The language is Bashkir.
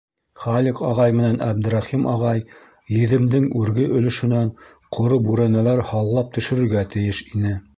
Халиҡ ағай менән Әбдрәхим ағай Еҙемдең үрге өлөшөнән ҡоро бүрәнәләр һаллап төшөрөргә тейеш ине.